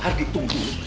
hargi tunggu dulu